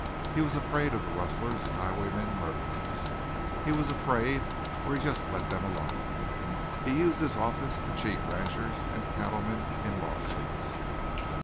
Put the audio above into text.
He was afraid of the rustlers, highwaymen, murderers. He was afraid or he just let them alone. He used his office to cheat ranchers and cattlemen in law suits.